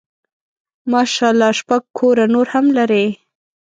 ماشاء الله شپږ کوره نور هم لري.